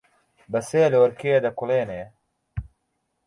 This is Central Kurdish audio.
بەسێ لۆرکێ دەکوڵێنێ